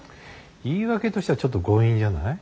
言い訳としてはちょっと強引じゃない？